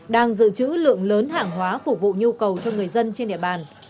đang dự trữ lượng lớn hàng hóa phục vụ nhu cầu cho người dân trên địa bàn